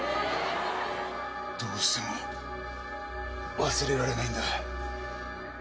どうしても忘れられないんだ。